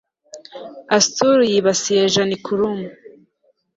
Astur yibasiye Janiculum